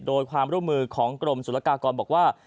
โดยความร่วมมือของกรมศุลกากรบอกว่า